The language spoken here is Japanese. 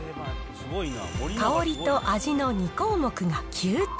香りと味の２項目が９点。